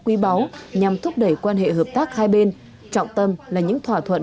đi báo nhằm thúc đẩy quan hệ hợp tác hai bên trọng tâm là những thỏa thuận